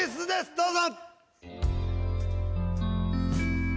どうぞ。